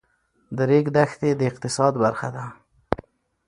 د ریګ دښتې د اقتصاد برخه ده.